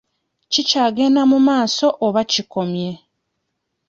Kikyagenda mu maaso oba kikomye?